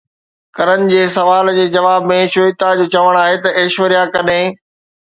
ڪرن جي سوال جي جواب ۾ شويتا جو چوڻ آهي ته ايشوريا ڪڏهن